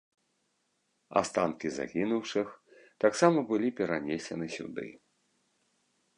Астанкі загінуўшых таксама былі перанесены сюды.